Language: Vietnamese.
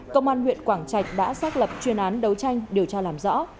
công an huyện quảng trạch đã xác lập chuyên án đấu tranh điều tra làm rõ